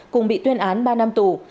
cùng bị tuyên án ba năm tù